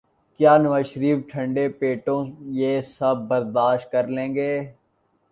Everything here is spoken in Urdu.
کیا نوازشریف ٹھنڈے پیٹوں یہ سب برداشت کر لیں گے؟